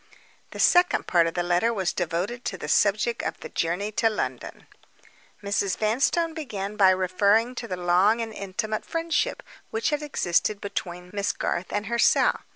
The second part of the letter was devoted to the subject of the journey to London. Mrs. Vanstone began by referring to the long and intimate friendship which had existed between Miss Garth and herself.